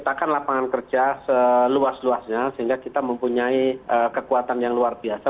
kitakan lapangan kerja seluas luasnya sehingga kita mempunyai kekuatan yang luar biasa